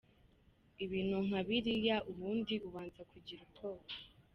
ibintu nka biriya ubundi ubanza kugira ubwoba.